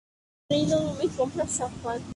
Es compañero en el trabajo de Wyatt y Serena.